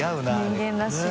人間らしい。